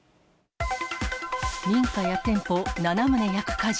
民家や店舗７棟焼く火事。